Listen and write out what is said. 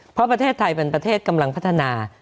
เพราะประเทศไทยเป็นประเทศกำลังพัฒนา